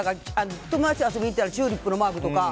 友達と遊びに行ったらチューリップのマークとか。